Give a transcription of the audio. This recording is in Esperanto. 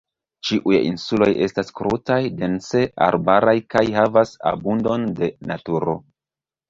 Ĉiuj insuloj estas krutaj, dense arbaraj kaj havas abundon de naturo.